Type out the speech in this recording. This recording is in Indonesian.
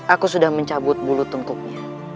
aku sudah mencabut bulu tungkuknya